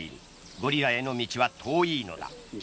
ゴリラへの道は遠いのだ。